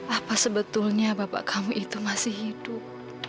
apa sebetulnya bapak kamu itu masih hidup